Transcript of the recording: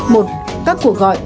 một các cuộc gọi